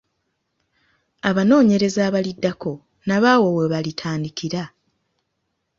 Abanoonyereza abaliddako nabo awo we balitandikira.